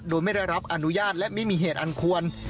โดยไม่ได้รับอนุญาตและไม่มีเหตุอันควร